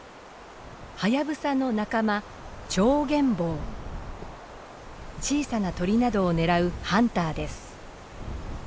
ハヤブサの仲間小さな鳥などを狙うハンターです。